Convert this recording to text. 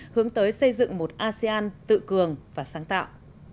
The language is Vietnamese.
hướng tới xây dựng một asean tự cường và sáng tạo